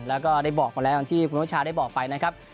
และก็ได้บอกมาแล้วที่คุณพุทธชาได้บอกไปนะครับ